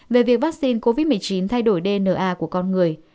về việc vaccine covid một mươi chín thay đổi dna của con người